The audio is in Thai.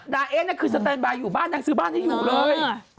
เอ๊ะนี่คือสแตนบายอยู่บ้านนางซื้อบ้านให้อยู่เลย